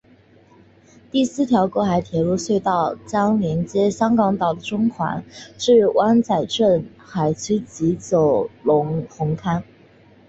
第四条过海铁路隧道将连接香港岛的中环至湾仔填海区及九龙红磡。